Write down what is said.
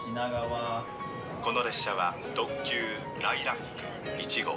この列車は特急「ライラック１号」